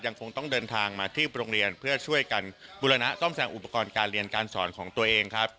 คงต้องเดินทางมาที่โรงเรียนเพื่อช่วยกันบุรณะซ่อมแซมอุปกรณ์การเรียนการสอนของตัวเองครับ